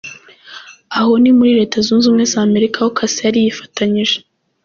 Aho ni muri Leta Zunze Umwe za Amerika aho cassa yari yifatanyije .